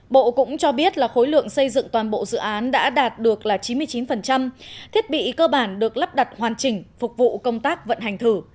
bộ cũng cho biết là khối lượng xây dựng toàn bộ dự án đã đạt được là chín mươi chín thiết bị cơ bản được lắp đặt hoàn chỉnh phục vụ công tác vận hành thử